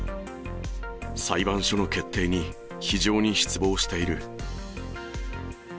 裁判所の決定に非常に失望している。